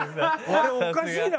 あれおかしいな？